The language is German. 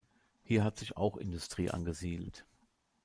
Hier hat sich auch Industrie angesiedelt.